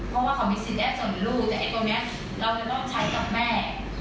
เพราะว่าเขามีสิทธิ์ได้ส่วนลูกแต่ไอ้ตัวนี้เราจะต้องใช้กับแม่